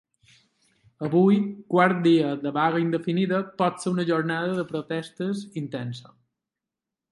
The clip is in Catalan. Avui, quart dia de vaga indefinida, pot ser una jornada de protestes intensa.